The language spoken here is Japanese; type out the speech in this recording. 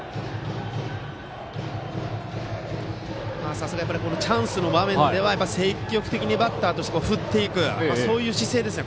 さすがにチャンスの場面では積極的にバットを振っていくそういう姿勢ですね。